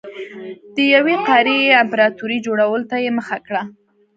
د یوې قاره يي امپراتورۍ جوړولو ته یې مخه کړه.